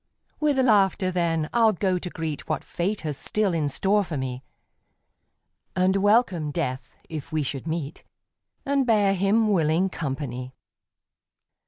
With laughter, then, I'll go to greet What Fate has still in store for me, And welcome Death if we should meet, And bear him willing company.